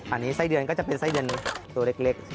อันนี้ไส้เดือนก็จะเป็นไส้เดือนตัวเล็ก